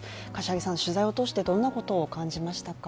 柏木さん、取材を通して、どんなことを感じましたか？